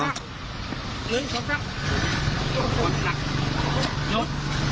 หนึ่งสองสาม